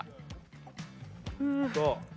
どう？